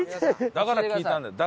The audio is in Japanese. だから聞いたんだよ。